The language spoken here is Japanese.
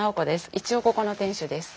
一応ここの店主です。